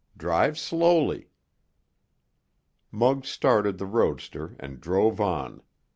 Drive slowly." Muggs started the roadster and drove on.